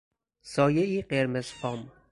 سایهای قرمز فام